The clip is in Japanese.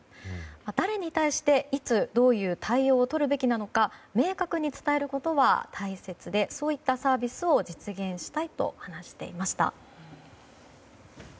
誰に対していつどういう対応をとるべきなのか明確に伝えることは大切でそういったサービスを実現したいと話していました。